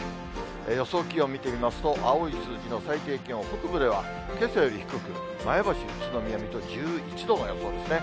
予想気温見てみますと、青い数字の最低気温、北部ではけさより低く、前橋、宇都宮、水戸、１１度の予想ですね。